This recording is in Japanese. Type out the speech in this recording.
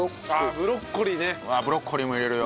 ブロッコリーも入れるよ。